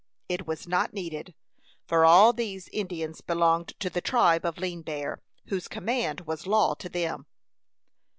It was not needed, for all these Indians belonged to the tribe of Lean Bear, whose command was law to them.